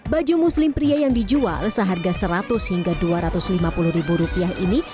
baju muslim pria yang dijual seharga seratus hingga dua ratus lima puluh ribu rupiah ini